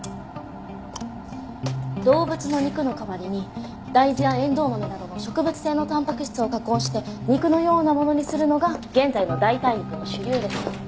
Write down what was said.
動物の肉の代わりに大豆やエンドウマメなどの植物性のタンパク質を加工して肉のようなものにするのが現在の代替肉の主流です。